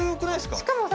しかもさ